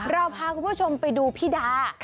เราพาคุณผู้ชมไปดูพี่ดา